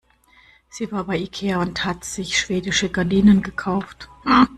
Sie war bei Ikea und hat sich schwedische Gardinen gekauft.